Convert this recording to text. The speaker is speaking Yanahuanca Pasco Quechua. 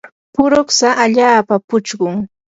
puruksa allaapa puchqun.